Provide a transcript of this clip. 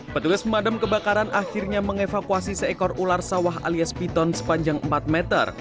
petugas pemadam kebakaran akhirnya mengevakuasi seekor ular sawah alias piton sepanjang empat meter